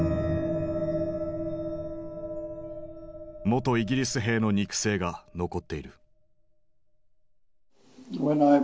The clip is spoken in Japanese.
元イギリス兵の肉声が残っている。